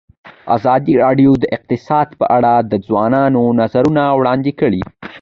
ازادي راډیو د اقتصاد په اړه د ځوانانو نظریات وړاندې کړي.